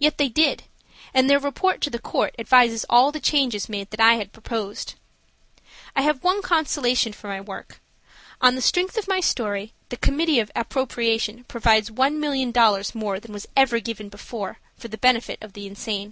Yet they did, and their report to the court advises all the changes made that I had proposed. I have one consolation for my work–on the strength of my story the committee of appropriation provides $1,000,000 more than was ever before given, for the benefit of the insane.